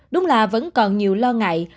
đúng là vẫn còn nhiều lo ngại